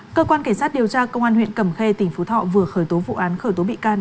cơ quan cảnh sát điều tra công an huyện cầm khê tỉnh phú thọ vừa khởi tố vụ án khởi tố bị can